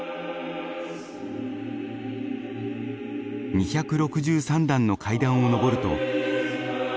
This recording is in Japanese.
２６３段の階段を上ると。